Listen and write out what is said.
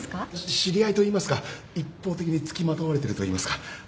知り合いといいますか一方的につきまとわれてるといいますか。